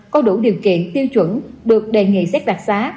có đủ điều kiện tiêu chuẩn được đề nghị xét đặc xá